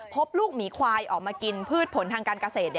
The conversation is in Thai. พบลูกหมีควายออกมากินพืชผลทางการเกษตร